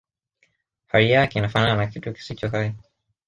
hali yake inafanana na kitu kisicho hai